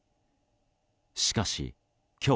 しかし、今日。